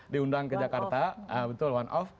diundang ke jakarta betul one off